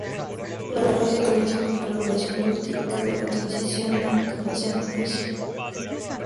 La anafase comienza con la regulación proteica de la transición de metafase-anafase.